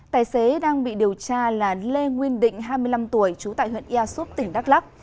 tài xế đang bị điều tra là lê nguyên định hai mươi năm tuổi trú tại huyện ia súp tỉnh đắk lắc